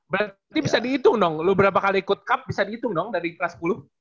berarti bisa dihitung dong lo berapa kali ikut cup bisa dihitung dong dari kelas sepuluh